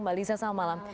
mbak lisa selamat malam